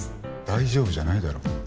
大丈夫じゃないだろ。